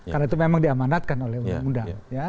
karena itu memang diamanatkan oleh undang undang